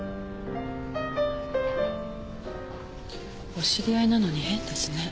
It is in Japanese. お知り合いなのに変ですね。